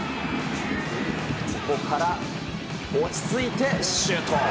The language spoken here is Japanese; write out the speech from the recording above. ここから落ち着いてシュート。